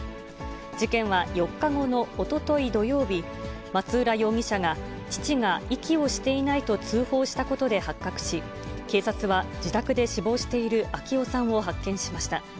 事件は４日後のおととい土曜日、松浦容疑者が、父が息をしていないと通報したことで発覚し、警察は自宅で死亡している昭男さんを発見しました。